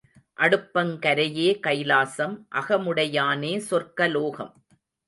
அடுப்பங் கரையே கைலாசம், அகமுடையானே சொர்க்க லோகம்.